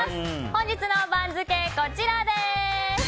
本日の番付、こちらです。